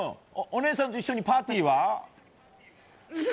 お姉さんと一緒にパーティーは？